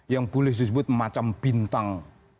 yang boleh disebut macam bintang